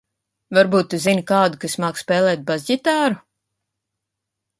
Varbūt tu zini kādu, kas māk spēlēt basģtāru?